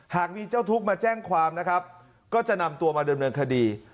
หากมีเจ้าทุกข์มาแจ้งความนะครับก็จะนำตัวมาดำเนินคดี